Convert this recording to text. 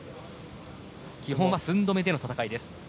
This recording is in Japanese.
基本は寸止めでの戦いです。